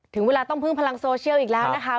ถึงเวลาต้องพึ่งพลังโซเชียลอีกแล้วนะคะ